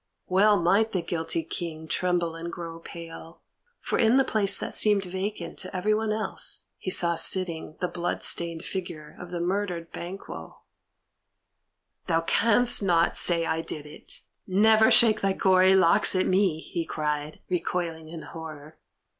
Well might the guilty King tremble and grow pale, for in the place that seemed vacant to everyone else he saw sitting the blood stained figure of the murdered Banquo. "Thou canst not say I did it; never shake thy gory locks at me!" he cried, recoiling in horror.